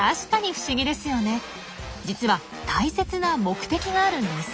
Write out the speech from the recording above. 実は大切な目的があるんです。